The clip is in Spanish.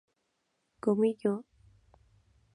¿comí yo?